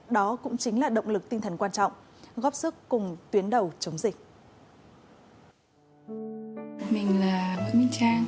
đó cũng chính là động lực tinh thần quan trọng góp sức cùng tuyến đầu chống dịch